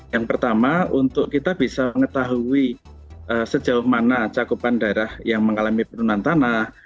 yang pertama untuk kita bisa mengetahui sejauh mana cakupan daerah yang mengalami penurunan tanah